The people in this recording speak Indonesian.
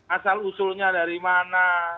asal usulnya dari mana